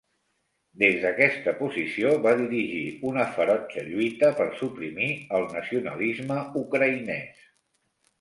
Des d'aquesta posició, va dirigir una ferotge lluita per suprimir el nacionalisme ucraïnès.